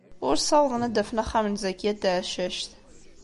Ur ssawḍen ad d-afen axxam n Zakiya n Tɛeccact.